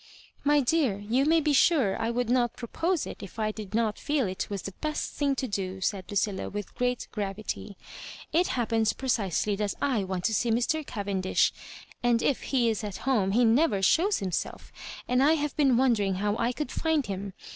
" My dear, you may be sure I would not pro pose it, if I did not teel it was the best thing to do," said Lucilla, with great gravity. It hap pens precisely that I want to see Mr. Cavendish, and if he is at home he never shows himself, and I have been wondering how I could find him.